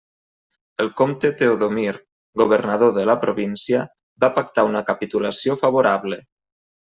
El comte Teodomir, governador de la província, va pactar una capitulació favorable.